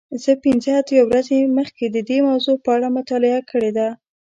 زه پنځه اتیا ورځې مخکې د دې موضوع په اړه مطالعه کړې ده.